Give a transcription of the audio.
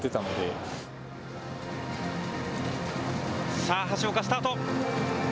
さあ、橋岡、スタート。